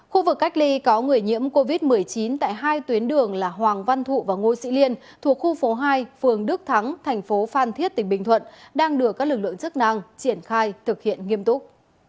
khu vực cách ly có người nhiễm covid một mươi chín tại hai tuyến đường là hoàng văn thụ và ngô sĩ liên thuộc khu phố hai phường đức thắng thành phố phan thiết tỉnh bình thuận đang được các lực lượng chức năng triển khai thực hiện nghiêm túc